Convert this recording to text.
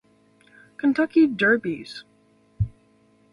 Kentucky Derbys.